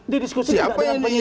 didiskusikan tidak dengan penyidik